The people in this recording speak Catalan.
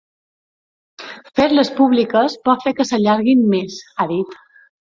Fer-les públiques pot fer que s’allarguin més, ha dit.